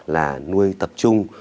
là nuôi tập trung